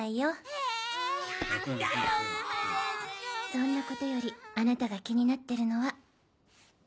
そんなことよりあなたが気になってるのは。